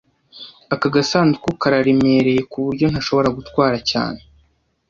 Aka gasanduku kararemereye kuburyo ntashobora gutwara cyane